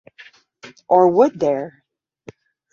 Or would there?